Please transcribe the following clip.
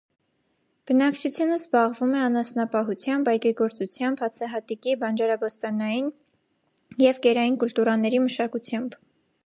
Բնակչությունը զբաղվում է անասնապահությամբ, այգեգործությամբ, հացահատիկի, բանջարաբոստանային և կերային կուլտուրաների մշակությամբ։